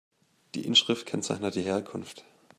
Die Inschrift kennzeichnet die Herkunft.